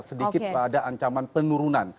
sedikit ada ancaman penurunan